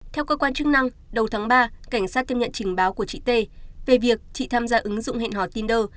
theo cơ quan chức năng đầu tháng ba cảnh sát tiếp nhận trình báo của chị t về việc chị tham gia ứng dụng hẹn hò tinder